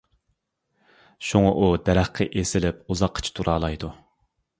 شۇڭا ئۇ دەرەخكە ئېسىلىپ ئۇزاققىچە تۇرالايدۇ.